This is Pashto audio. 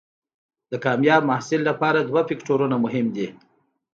د کامیاب محصل لپاره دوه فکتورونه مهم دي.